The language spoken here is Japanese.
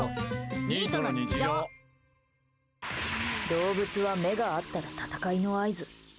動物は目が合ったら戦いの合図。